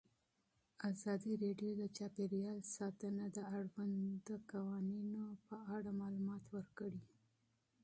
ازادي راډیو د چاپیریال ساتنه د اړونده قوانینو په اړه معلومات ورکړي.